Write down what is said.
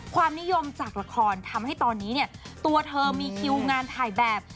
ความนิยมจากละครทำให้ตอนนี้เนี่ยตัวเธอมีคิวงานถ่ายแบบ